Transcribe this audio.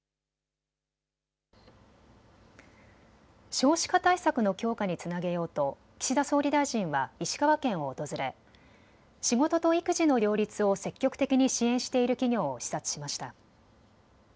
少子化対策の強化につなげようと岸田総理大臣は石川県を訪れ仕事と育児の両立を積極的に支援している企業を視察しました。